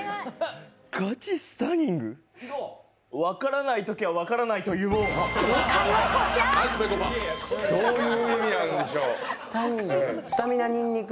分からないときは分からないと言おう！